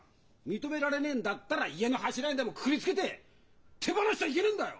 認められねえんだったら家の柱にでもくくりつけて手放しちゃいけねえんだよ！